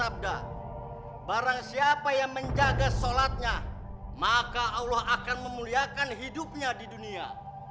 barang siapa yang menjaga sholatnya maka allah akan memuliakan hidupnya di dunia